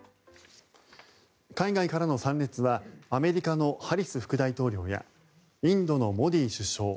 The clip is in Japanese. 海外からの参列はアメリカのハリス副大統領やインドのモディ首相